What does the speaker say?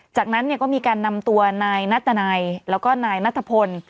จากนั้นก็มีการนำตัวนายนัตนัยแล้วก็นายนัทพล